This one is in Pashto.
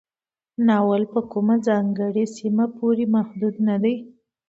ناول په کومه ځانګړې سیمه پورې محدود نه دی.